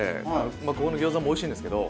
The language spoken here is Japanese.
ここの餃子もおいしいんですけど。